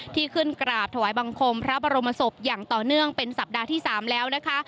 ที่ขึ้นกราบถวายบังคมพระบรมศพอย่างต่อเนื่องเป็นสัปดาห์ที่๓แล้วนะคะ